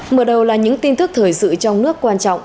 mở đầu là những tin tức thời sự trong nước quan trọng